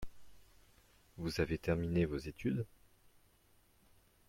Vous avez terminé vos études ?